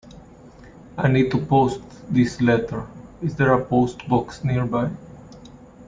I need to post this letter. Is there a postbox nearby?